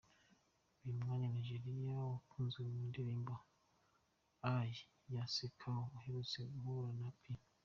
Uyu munya-Nigeriya wakunzwe mu ndirimbo ‘Aye’ na ‘Skelewu’ aherutse guhura na P.